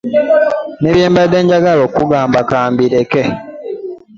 Ne bye mbadde njagala okubagamba ka mbireke.